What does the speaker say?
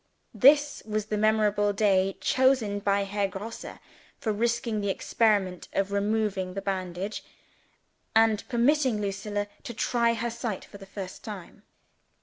This was the memorable day chosen by Herr Grosse for risking the experiment of removing the bandage, and permitting Lucilla to try her sight for the first time.